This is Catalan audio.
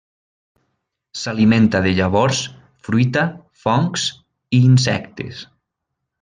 S'alimenta de llavors, fruita, fongs i insectes.